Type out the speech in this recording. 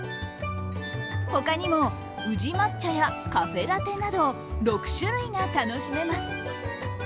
他にも宇治抹茶やカフェラテなど、６種類が楽しめます。